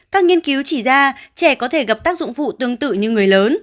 các nghiên cứu chỉ ra trẻ có thể gặp tác dụng phụ tương tự như người lớn